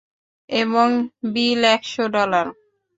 এবং বিল একশো ডলার।